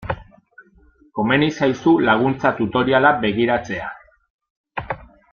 Komeni zaizu laguntza tutoriala begiratzea.